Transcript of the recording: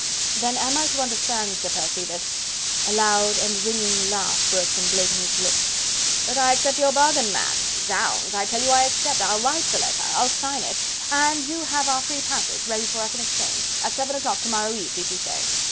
"Then am I to understand, Sir Percy, that..." A loud and ringing laugh broke from Blakeney's lips. "That I accept your bargain, man!... Zounds! I tell you I accept... I'll write the letter, I'll sign it... an you have our free passes ready for us in exchange.... At seven o'clock to morrow eve, did you say?...